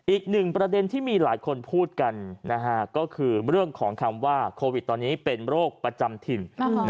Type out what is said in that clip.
อีกหนึ่งประเด็นที่มีหลายคนพูดกันก็คือเรื่องของคำว่าโควิดตอนนี้เป็นโรคประจำถิ่น